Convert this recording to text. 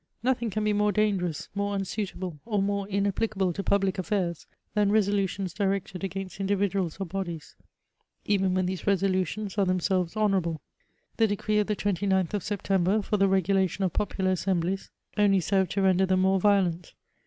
No&mg can be more dangerons, moire unsuitable, or more im^yphcable to pnbhe a£Bsdrs, than resdiutions directed against in<&Tiduals or bodies, even when these resohitiona are themselves honomable. The decree of the 29th of September, for ihe regulation of popular assemblies, only served to render them more violent.